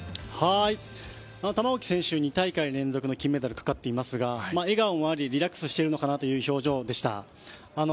玉置選手、２大会連続の金メダルかかっていますが笑顔もありリラックスしているのかなという表情でした。